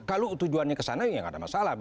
itu tujuannya kesana ya gak ada masalah